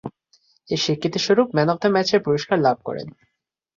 এর স্বীকৃতিস্বরূপ man of the ম্যাচের পুরস্কার লাভ করেন।